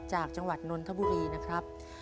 จากจังหวัดนนทบุรีนะครับ